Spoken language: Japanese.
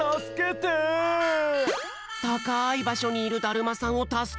たかいばしょにいるだるまさんをたすけてあげよう！